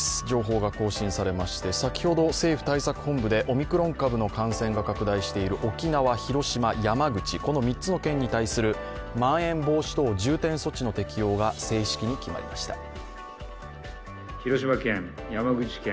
情報が更新されまして、先ほど政府対策本部でオミクロン株の感染が拡大している沖縄、広島、山口、この３つの県に対するまん延防止等重点措置の適用が正式に決まりました。